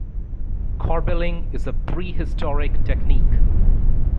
Corbelling is a pre-historic technique.